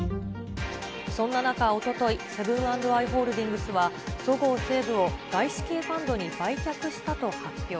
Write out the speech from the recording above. そんな中、おととい、セブン＆アイ・ホールディングスはそごう・西武を外資系ファンドに売却したと発表。